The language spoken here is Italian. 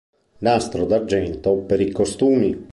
Nastro d'argento per i costumi